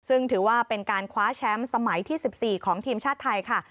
ซึ่งถือว่าเป็นการคว้าแชมป์สมัยที่๑๔ของทีมชาติไทยค่ะ